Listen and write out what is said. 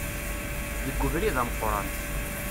Deg ubrid ameqqran.